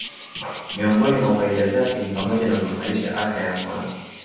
Miongoni mwa faida zake ni pamoja na kuimarisha afya ya moyo